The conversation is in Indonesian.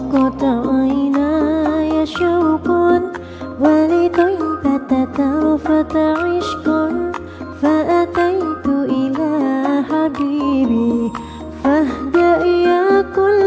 katanya wanita kita sangat azab terhadap lol